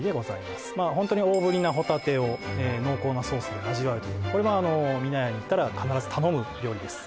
まあホントに大ぶりなホタテを濃厚なソースで味わうというこれはあの美名家に行ったら必ず頼む料理です